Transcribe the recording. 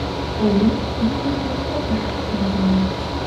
— Олюн могыржо копыж тарвана.